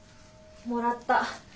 もらった。